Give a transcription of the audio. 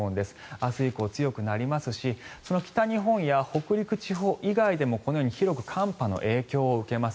明日以降、強くなりますし北日本や北陸地方以外でもこのように広く寒波の影響を受けます。